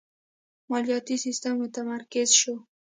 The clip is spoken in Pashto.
مالیاتی سیستم متمرکز شو.